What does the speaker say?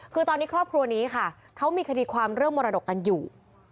คือตอนนี้ครอบครัวนี้ค่ะเขามีคดีความเรื่องมรดกกันอยู่